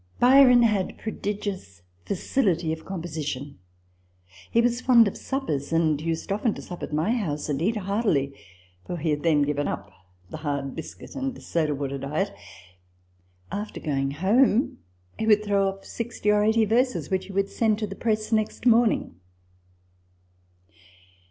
Bryon had prodigious facility of composition. He was fond of suppers ; and used often to sup at my house and eat heartily (for he had then given up the hard biscuit and soda water diet) : after going home, he would throw off sixty or eighty verses, which he would send to press next morning.